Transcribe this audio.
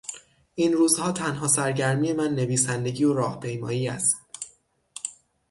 این روزها تنها سرگرمی من نویسندگی و راهپیمایی است.